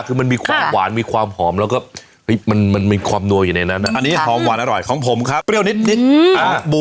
คือมันมีความหวานมีความหอมแล้วก็มันมีความนัวอยู่ในนั้นอันนี้หอมหวานอร่อยของผมครับเปรี้ยวนิด